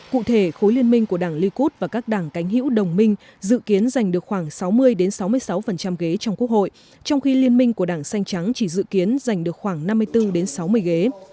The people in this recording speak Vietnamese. cụ thể khối liên minh của đảng likud và các đảng cánh hữu đồng minh dự kiến giành được khoảng sáu mươi sáu mươi sáu ghế trong quốc hội trong khi liên minh của đảng xanh trắng chỉ dự kiến giành được khoảng năm mươi bốn sáu mươi ghế